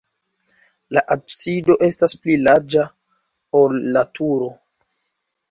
La absido estas pli larĝa, ol la turo.